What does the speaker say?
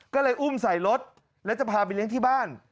ก็เลยอุ้มใส่รถแล้วจะพาไปเลี้ยงที่บ้าน